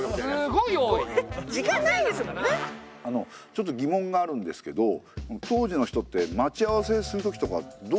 あのうちょっと疑問があるんですけど当時の人って待ち合わせするときとかどうしたんですかね？